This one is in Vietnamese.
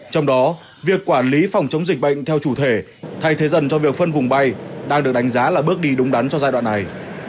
trong đó việc quản lý phòng chống dịch bệnh theo chủ thể thay thế dần cho việc phân vùng bay đang được đánh giá là bước đi đúng đắn cho giai đoạn này